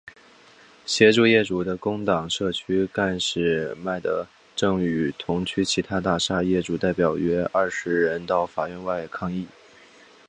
协助业主的工党社区干事麦德正与同区其他大厦业主代表约二十人到法院外抗议。